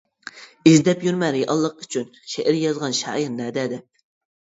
ئىزدەپ يۈرمە رېئاللىق ئۈچۈن، شېئىر يازغان شائىر نەدە دەپ.